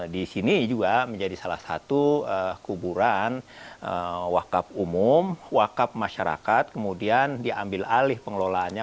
di sini juga menjadi salah satu kuburan wakaf umum wakaf masyarakat kemudian diambil alih pengelolaannya